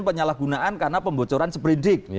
penyalahgunaan karena pembocoran seberindik